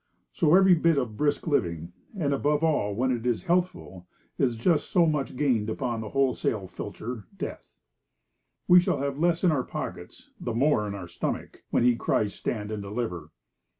So every bit of brisk living, and above all when it is healthful, is just so much gained upon the wholesale filcher, death. We shall have the less in our pockets, the more in our stomach, when he cries stand and deliver.